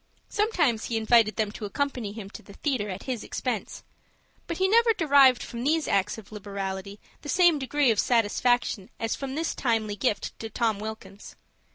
Sometimes he invited them to accompany him to the theatre at his expense. But he never derived from these acts of liberality the same degree of satisfaction as from this timely gift to Tom Wilkins.